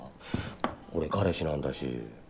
俺彼氏なんだし。